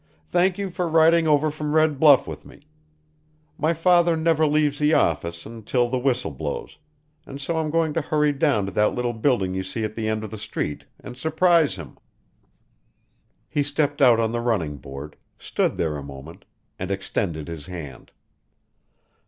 "Thank you for riding over from Red Bluff with me. My father never leaves the office until the whistle blows, and so I'm going to hurry down to that little building you see at the end of the street and surprise him." He stepped out on the running board, stood there a moment, and extended his hand.